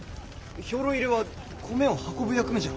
兵糧入れは米を運ぶ役目じゃろ？